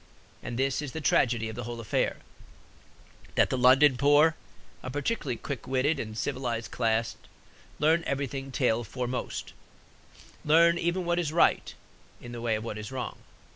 And this is the tragedy of the whole affair: that the London poor, a particularly quick witted and civilized class, learn everything tail foremost, learn even what is right in the way of what is wrong.